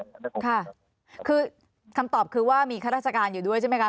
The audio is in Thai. ค่ะคือคำตอบคือว่ามีข้าราชการอยู่ด้วยใช่ไหมคะ